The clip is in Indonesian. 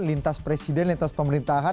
lintas presiden lintas pemerintahan